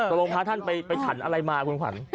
ตรงพระท่านไปฉันอะไรมาคุณขวัญ